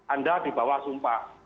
anda dibawa sumpah